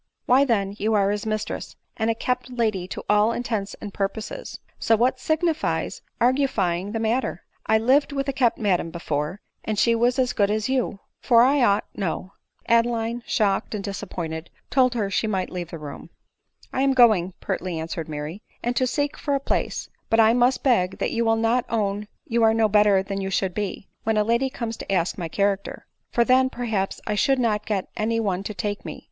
" Why then you are his mistress, and a kept lady to all intents and purposes ; so what signifies argufying the matter ; I lived with a kept madam before ; and she was ^as good as you, for ought I know." Adeline, shocked and disappointed, told her she might leave the room. *4 ^3 ADELINE MOWBRAY . 141 " I am going," pertly answered Mary, " and to seek for a place ; but I must beg that you will not own you are no better than you should be, when a lady comes to.ask my character; for then perhaps I should not get any one to take me.